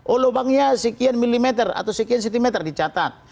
oh lubangnya sekian milimeter atau sekian cm dicatat